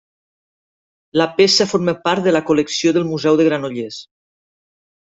La peça forma part de la col·lecció del Museu de Granollers.